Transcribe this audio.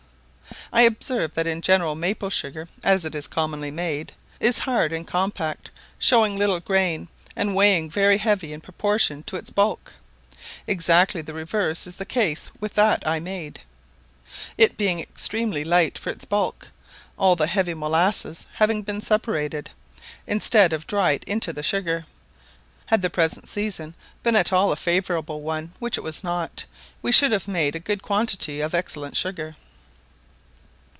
I observed that in general maple sugar, as it is commonly made, is hard and compact, showing little grain, and weighing very heavy in proportion to its bulk. Exactly the reverse is the case with that I made, it being extremely light for its bulk, all the heavy molasses having been separated, instead of dried into the sugar. Had the present season been at all a favourable one, which it was not, we should have made a good quantity of excellent sugar.